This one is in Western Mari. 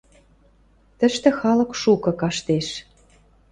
Тӹштӹ халык шукы каштеш.